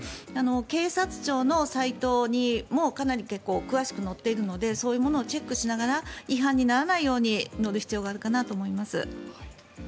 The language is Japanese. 警察庁のサイトにもかなり詳しく載っているのでそういうものをチェックしながら違反にならないように乗る必要があるかなと思います。